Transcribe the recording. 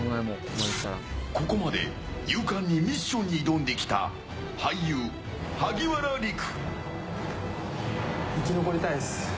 ここまで勇敢にミッションに挑んできた俳優・萩原利久。